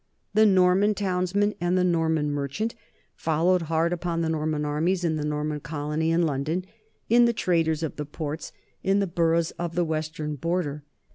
The Norman townsman and the Norman merchant followed hard upon the Norman armies, in the Norman colony in London, in the traders of the ports, in the boroughs of the western border.